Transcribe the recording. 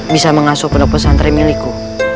bisa mengasuh pondok pesantren milikku